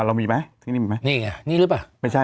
เรามีไหมนี่รึเปล่า